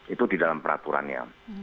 itu di dalam peraturannya